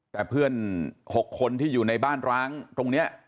แต่เพื่อน๖คนที่อยู่ในบ้านร้างตรงนี้